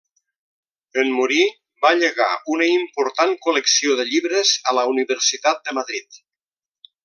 En morir va llegar una important col·lecció de llibres a la Universitat de Madrid.